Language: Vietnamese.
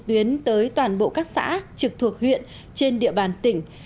tuyến tới toàn bộ các xã trực thuộc huyện trên địa bàn tỉnh